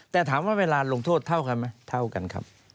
แต่ถามว่าเวลาลงโทษเท่ากันไหมเท่ากันครับ